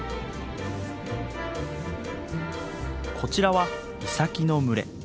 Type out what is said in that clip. こちらはイサキの群れ。